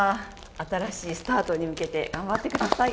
新しいスタートに向けて頑張ってください。